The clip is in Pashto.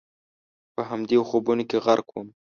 په همدې خوبونو کې غرق ووم.